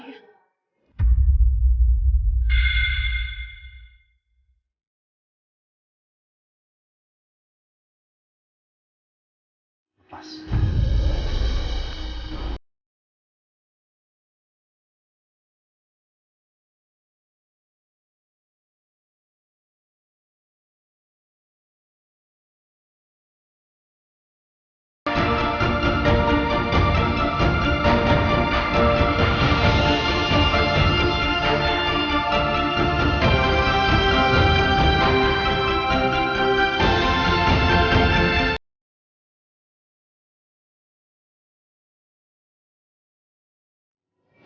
perut aku udah mulai membesar sayang